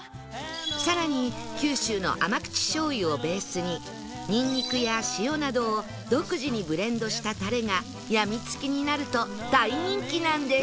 更に九州の甘口しょう油をベースにニンニクや塩などを独自にブレンドしたタレがやみつきになると大人気なんです